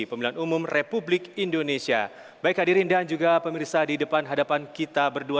pemilihan umum republik indonesia baik hadirin dan juga pemirsa di depan hadapan kita berdua